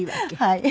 はい。